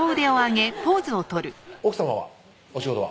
奥さまはお仕事は？